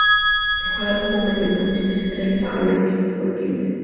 Juega como mediocampista central y su primer equipo fue Quilmes.